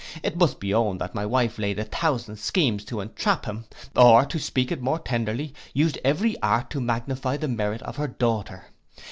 It must be owned that my wife laid a thousand schemes to entrap him, or, to speak it more tenderly, used every art to magnify the merit of her daughter.